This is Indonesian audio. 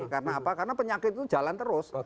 karena apa karena penyakit itu jalan terus